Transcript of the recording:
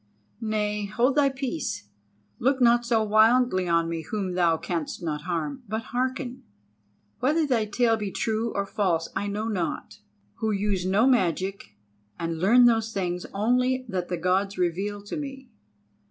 Nay, hold thy peace, look not so wildly on me whom thou canst not harm, but hearken. Whether thy tale be true or false I know not, who use no magic and learn those things only that the Gods reveal to me.